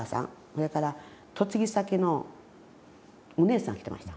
それから嫁ぎ先のお姉さん来てました。